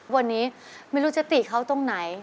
วันนี้ไม่รู้จะติเขาตรงไหน